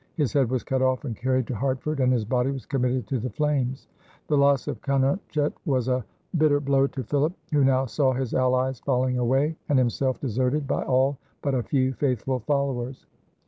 His head was cut off and carried to Hartford, and his body was committed to the flames. The loss of Canonchet was a bitter blow to Philip, who now saw his allies falling away and himself deserted by all but a few faithful followers.